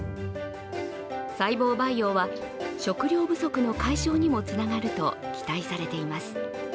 細胞培養は食料不足の解消にもつながると期待されています。